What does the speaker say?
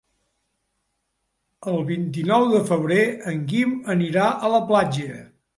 El vint-i-nou de febrer en Guim anirà a la platja.